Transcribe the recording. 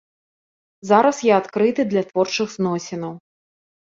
Зараз я адкрыты для творчых зносінаў.